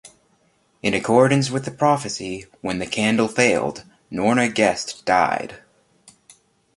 In accordance with the prophecy, when the candle failed, Norna-Gest died.